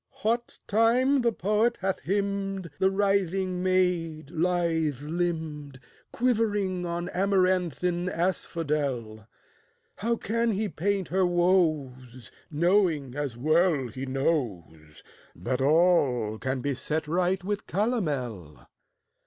What time the poet hath hymned The writhing maid, lithe limbed, Quivering on amaranthine asphodel, How can he paint her woes, Knowing, as well he knows, That all can be set right with calomel?